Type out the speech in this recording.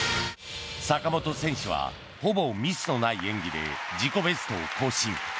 坂本選手は、ほぼミスのない演技で自己ベストを更新。